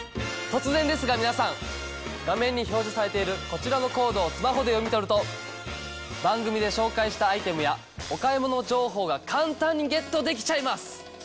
突然ですが皆さん画面に表示されているこちらのコードをスマホで読み取ると番組で紹介したアイテムやお買い物情報が簡単にゲットできちゃいます！